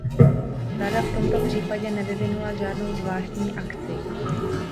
Rada v tomto případě nevyvinula žádnou zvláštní akci.